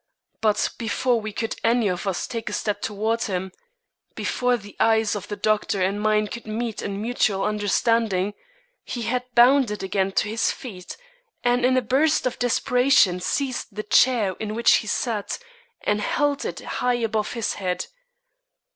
But before we could any of us take a step toward him, before the eyes of the doctor and mine could meet in mutual understanding, he had bounded again to his feet, and in a burst of desperation seized the chair in which he sat, and held it high above his head.